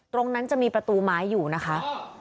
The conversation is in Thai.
ตรงนั้นจะมีประตูไม้อยู่นะคะ